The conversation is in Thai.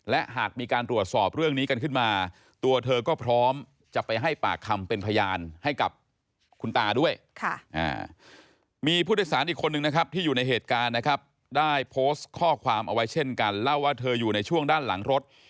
ในเหตุการณ์นะครับได้โพสต์ข้อความเอาไว้เช่นกันเล่าว่าเธออยู่ในช่วงด้านหลังรถ